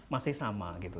masih sama gitu